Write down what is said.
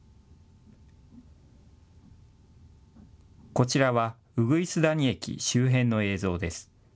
こちらは鴬谷駅周辺の映像です。